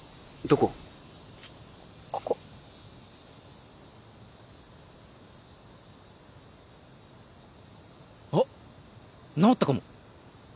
ここあっ治ったかも！